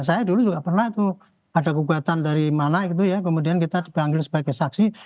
saya dulu juga pernah tuh ada gugatan dari mana gitu ya kemudian kita dipanggil sebagai saksi